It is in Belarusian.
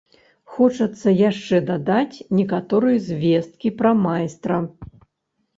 Хочацца яшчэ дадаць некаторыя звесткі пра майстра.